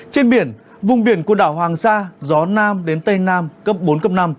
trên biển vùng biển của đảo hoàng sa gió nam đến tây nam cấp bốn cấp năm